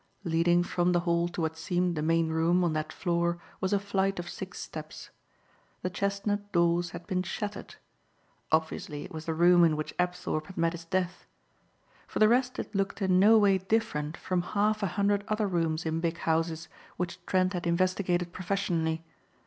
Leading from the hall to what seemed the main room on that floor was a flight of six steps. The chestnut doors had been shattered. Obviously it was the room in which Apthorpe had met his death. For the rest it looked in no way different from half a hundred other rooms in big houses which Trent had investigated professionally.